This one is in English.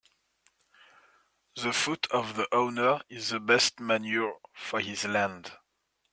The foot of the owner is the best manure for his land